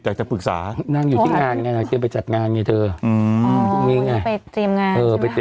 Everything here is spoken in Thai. อยากจะปรึกษานั่งอยู่ที่งานอยากเตรียมจัดงานเฮ้ยเธอ